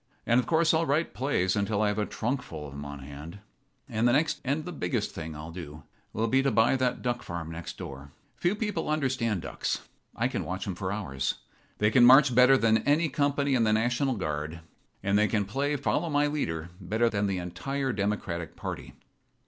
And, of course, I'll write plays until I have a trunk full of 'em on hand. "And the next thing and the biggest thing I'll do will be to buy that duck farm next door. Few people understand ducks. I can watch 'em for hours. They can march better than any company in the National Guard, and they can play 'follow my leader' better than the entire Democratic party.